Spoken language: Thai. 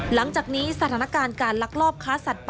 หลังจากนี้สถานการณ์การลักลอบค้าสัตว์ป่า